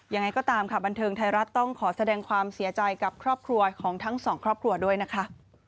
ยังไงก็ตามค่ะบันเทิงไทยรัฐต้องขอแสดงความเสียใจกับครอบครัวของทั้งสองครอบครัวด้วยนะคะ